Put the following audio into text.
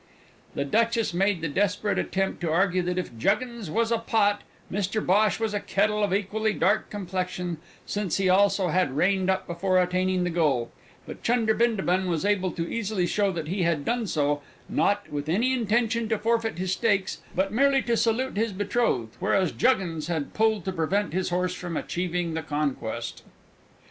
The Duchess made the desperate attempt to argue that, if Juggins was a pot, Mr Bhosh was a kettle of equally dark complexion, since he also had reined up before attaining the goal but Chunder Bindabun was able easily to show that he had done so, not with any intention to forfeit his stakes, but merely to salute his betrothed, whereas Juggins had pulled to prevent his horse from achieving the conquest.